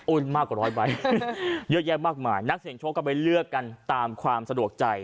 มากกว่าร้อยใบเยอะแยะมากมายนักเสียงโชคก็ไปเลือกกันตามความสะดวกใจ